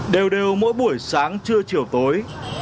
đều đều mỗi buổi sáng trưa chiều tối